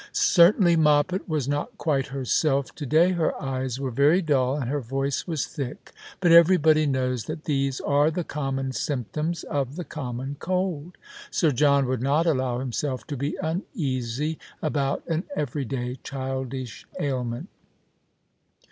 Certainly Moppet was not qnite herself to day. Her eyes were very dull, and her voice was thick ; bnt every body knows that these are the common symptoms of the common cold. 8ir John would not alhiw himself to l^e uneasy about an everyday childish ailment.